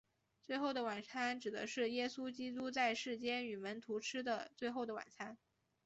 最后的晚餐指的是耶稣基督在世间与门徒吃的最后的晚餐。